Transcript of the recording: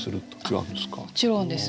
もちろんです。